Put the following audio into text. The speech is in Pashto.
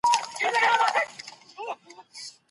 مغلي امپراطورانو څو ځله د کندهار د بېرته اخیستلو هڅه وکړه.